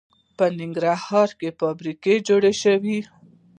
په ننګرهار کې فابریکې جوړې شوي